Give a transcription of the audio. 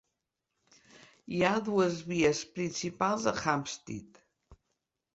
Hi ha dues vies principals a Hampstead.